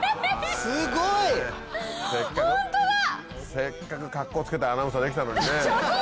せっかく格好つけてアナウンサーできたのにね。